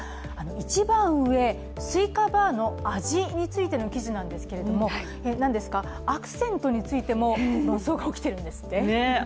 一番上、スイカバーの味についての記事なんですけれどもアクセントについても論争が起きてるんですって？